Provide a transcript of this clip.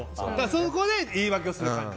そこで言い訳をする感じ。